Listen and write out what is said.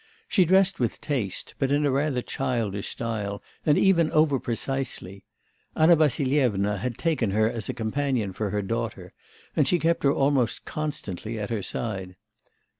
She dressed with taste, but in a rather childish style, and even over precisely. Anna Vassilyevna had taken her as a companion for her daughter, and she kept her almost constantly at her side.